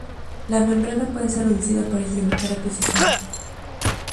La membrana puede ser reducida para incrementar la precisión.